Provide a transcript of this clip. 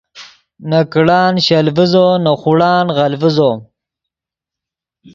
نے کڑان شل ڤیزو نے خوڑان غل ڤیزو